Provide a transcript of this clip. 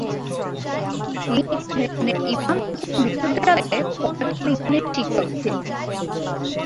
তিনি তেহরানের Imam Hussein বিশ্ববিদ্যালয়ে পদার্থবিজ্ঞানের শিক্ষক ছিলেন।